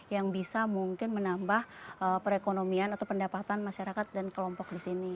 yang bisa mungkin menambah perekonomian atau pendapatan masyarakat dan kelompok di sini